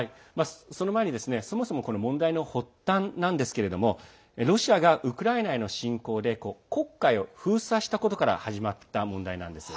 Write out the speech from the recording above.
その前にそもそも問題の発端はロシアがウクライナへの侵攻で黒海を封鎖したことから始まった問題なんです。